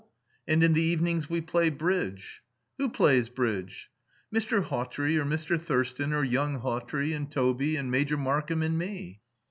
"And in the evenings we play bridge." "Who plays bridge?" "Mr. Hawtrey, or Mr. Thurston, or young Hawtrey, and Toby, and Major Markham and me."